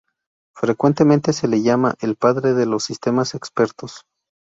Frecuentemente se le llama "El Padre de los Sistemas Expertos".